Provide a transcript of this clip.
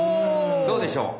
どうでしょう？